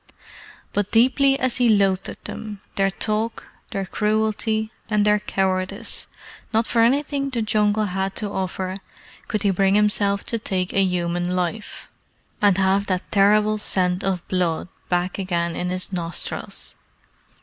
But deeply as he loathed them, their talk, their cruelty, and their cowardice, not for anything the Jungle had to offer could he bring himself to take a human life, and have that terrible scent of blood back again in his nostrils.